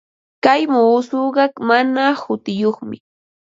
Kay muusuqa mana hutiyuqmi.